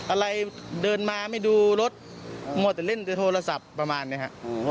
อะไรเดินมาไม่ดูรถมัวแต่เล่นแต่โทรศัพท์ประมาณนี้ครับ